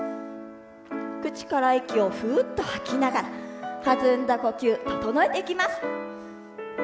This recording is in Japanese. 口から息をふーっと吐きながら弾んだ呼吸を整えていきます。